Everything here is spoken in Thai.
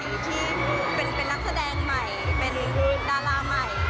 อยากฝากเนื้อฝากตัวเป็นคนใหม่เป็นนักแสดงใหม่เป็นดาราใหม่